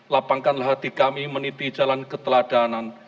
lapangkanlah hati kami meniti jalan keteladanan